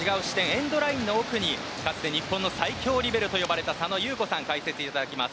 エンドラインの奥にかつて日本の最強リベロと呼ばれた佐野優子さんに解説していただきます。